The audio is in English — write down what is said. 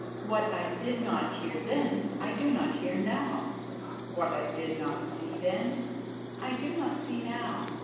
What I did not hear then I do not hear now; what I did not see then I do not see now.